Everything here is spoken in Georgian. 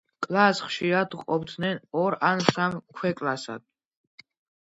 კლასს ხშირად ყოფდნენ ორ ან სამ ქვეკლასად.